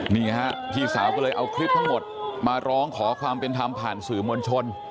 นี่ฮะพี่สาวก็เลยเอาคลิปทั้งหมดมาร้องขอความเป็นธรรมผ่านสื่อมวลชน